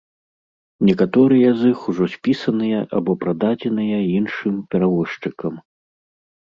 Некаторыя з іх ужо спісаныя або прададзеныя іншым перавозчыкам.